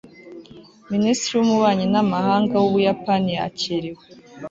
minisitiri w'ububanyi n'amahanga w'ubuyapani yakiriwe